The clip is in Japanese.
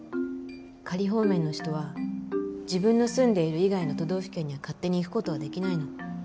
仮放免の人は自分の住んでいる以外の都道府県には勝手に行くことはできないの。